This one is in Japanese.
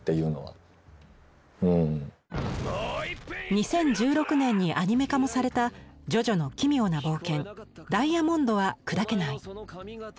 ２０１６年にアニメ化もされた「ジョジョの奇妙な冒険ダイヤモンドは砕けない」。